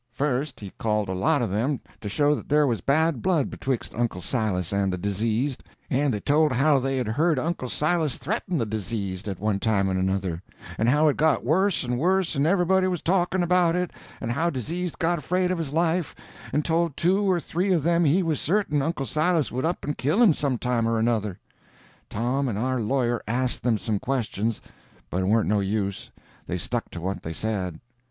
First, he called a lot of them to show that there was bad blood betwixt Uncle Silas and the diseased; and they told how they had heard Uncle Silas threaten the diseased, at one time and another, and how it got worse and worse and everybody was talking about it, and how diseased got afraid of his life, and told two or three of them he was certain Uncle Silas would up and kill him some time or another. Tom and our lawyer asked them some questions; but it warn't no use, they stuck to what they said.